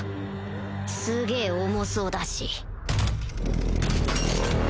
すげぇ重そうだし